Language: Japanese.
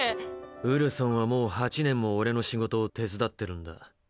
ウルソンはもう８年もオレの仕事を手伝ってるんだ。